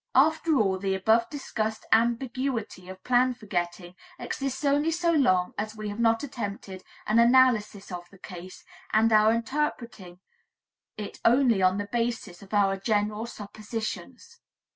After all, the above discussed ambiguity of plan forgetting exists only so long as we have not attempted an analysis of the case, and are interpreting it only on the basis of our general suppositions.